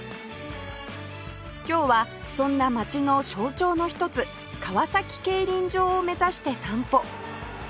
今日はそんな街の象徴の一つ川崎競輪場を目指して散歩